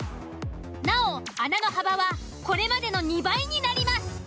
なお穴の幅はこれまでの２倍になります。